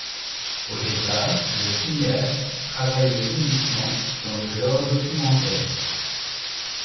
Au départ, le cinéaste travaillait uniquement dans le genre documentaire.